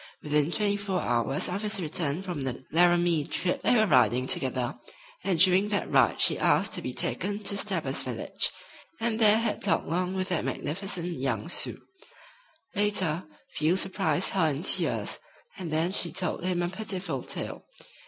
Within twenty four hours of his return from the Laramie trip they were riding together, and during that ride she asked to be taken to Stabber's village, and there had talked long with that magnificent young Sioux. Later, Field surprised her in tears, and then she told him a pitiful tale.